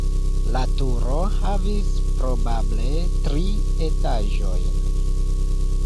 La turo havis probable tri etaĝojn.